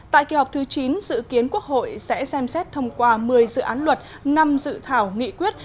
tại kỳ họp thứ chín dự kiến quốc hội sẽ xem xét thông qua một mươi dự án luật năm dự thảo nghị quyết